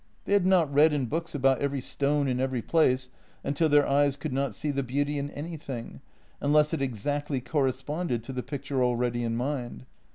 They had not read in books about every stone and every place, until their eyes could not see the beauty in anything, unless it exactly corresponded to the picture already in mind.